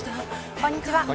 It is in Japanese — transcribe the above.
こんにちは。